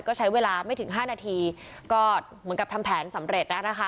ก็ใช้เวลาไม่ถึง๕นาทีก็เหมือนกับทำแผนสำเร็จแล้วนะคะ